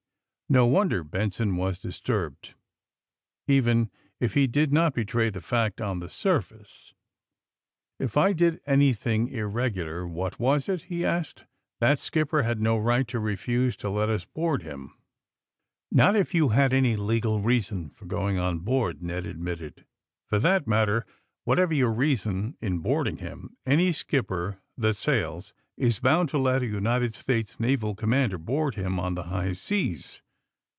No wonder Benson was disturbed, even if he did not betray the fact on the surface. *^If I did anything irregular, what was it!" he asked. '^ That skipper had no right to refuse to let us board him.'' Not if you had any legal reason for going on board," Ned admitted. ^^For that matter, whatever your reason in boarding him, any skip per that sails is bound to let a United States naval commander board him on the high seas.